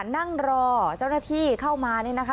นั่งรอเจ้าหน้าที่เข้ามานี่นะคะ